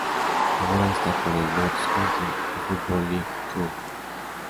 Ahora esta con el Notts County de Football League Two